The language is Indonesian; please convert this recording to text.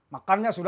sekarang ya people